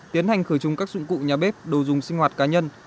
tiến hành khởi chung các dụng cụ nhà bếp đồ dùng sinh hoạt cá nhân